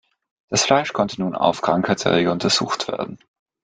Das Fleisch konnte nun auf Krankheitserreger untersucht werden.